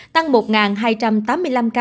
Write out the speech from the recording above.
tăng một hai trăm tám mươi năm ca so với ngày hôm nay